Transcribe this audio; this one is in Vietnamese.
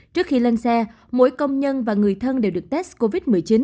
trước khi lên xe mỗi công nhân và người thân đều được test covid một mươi chín